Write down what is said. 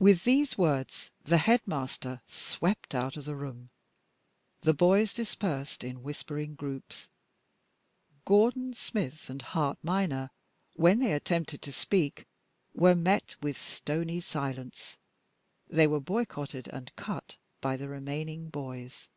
With these words the headmaster swept out of the room. The boys dispersed in whispering groups. Gordon, Smith, and Hart minor, when they attempted to speak, were met with stony silence; they were boycotted and cut by the remaining boys.